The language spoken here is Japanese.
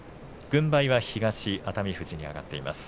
軍配は東熱海富士に上がっています。